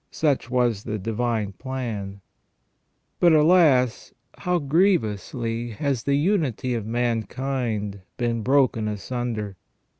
Such was the divine plan. But, alas ! how grievously has the unity of mankind been broken asunder